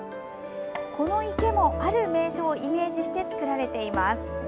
この池もある名所をイメージして造られています。